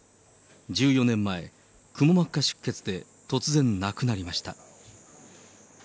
１４年前、くも膜下出血で突然亡くなりました。